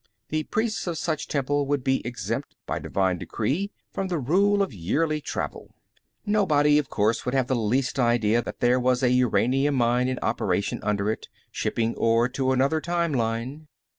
The priests of such a temple would be exempt, by divine decree, from the rule of yearly travel. Nobody, of course, would have the least idea that there was a uranium mine in operation under it, shipping ore to another time line.